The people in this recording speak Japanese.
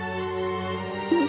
うん。